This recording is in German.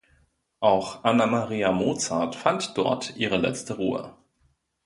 Auch Anna Maria Mozart fand dort ihre letzte Ruhe.